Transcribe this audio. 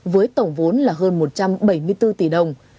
với tổng vốn là hơn một trăm bảy mươi bốn tỷ đồng